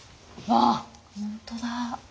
わほんとだ。